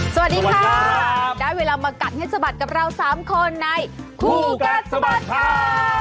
สวัสดีค่ะได้เวลามากัดให้สะบัดกับเรา๓คนในคู่กัดสะบัดข่าว